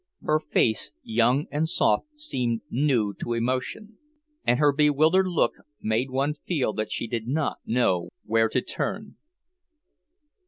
Her face, young and soft, seemed new to emotion, and her bewildered look made one feel that she did not know where to turn.